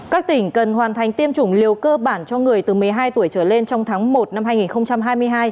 các tỉnh cần hoàn thành tiêm chủng liều cơ bản cho người từ một mươi hai tuổi trở lên trong tháng một năm hai nghìn hai mươi hai